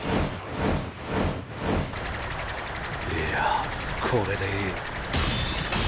いやこれでいい。